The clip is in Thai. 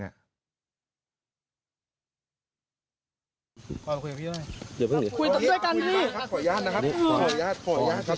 ถ้าข้าเป็นกว่าน้ำ